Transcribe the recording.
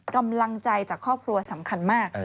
กำลังใจจากครอบครัวสำคัญมาก